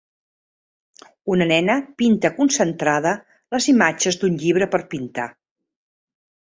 Una nena pinta concentrada les imatges d'un llibre per pintar.